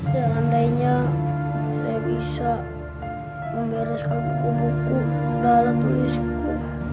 seandainya saya bisa membereskan buku buku dalam alat tulisku